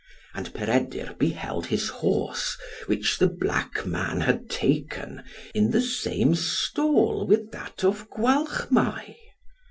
And Peredur beheld his horse, which the black man had taken, in the same stall with that of Gwalchmai.